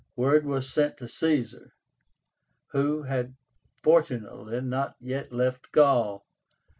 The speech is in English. Word was sent to Caesar, who had fortunately not yet left Gaul.